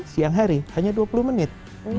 siang hari hanya dua puluh menit